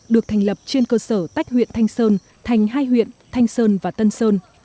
được thành lập trên cơ sở tách huyện thanh sơn thành hai huyện thanh sơn và tân sơn